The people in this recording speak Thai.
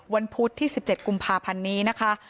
พุธที่๑๗กุมภาพันธ์นี้นะคะ